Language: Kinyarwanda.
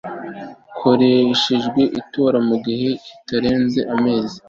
hakoreshejwe itora mu gihe kitarenze amezi